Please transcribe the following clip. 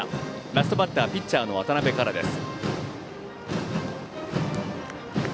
ラストバッターピッチャーの渡辺からです。